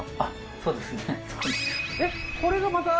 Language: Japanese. そうですね